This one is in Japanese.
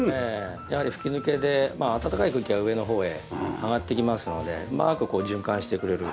やはり吹き抜けで暖かい空気が上の方へ上がってきますのでうまく循環してくれる。